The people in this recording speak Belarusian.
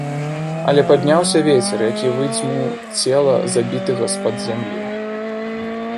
Але падняўся вецер, які выдзьмуў цела забітага з-пад зямлі.